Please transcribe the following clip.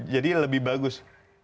jadi lebih bagus